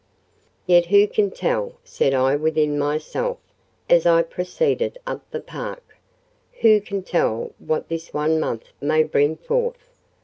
Yet who can tell," said I within myself, as I proceeded up the park,—"who can tell what this one month may bring forth?